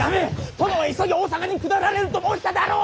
殿は急ぎ大坂に下られると申したであろう。